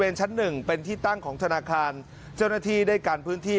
เป็นชั้นหนึ่งเป็นที่ตั้งของธนาคารเจ้าหน้าที่ได้กันพื้นที่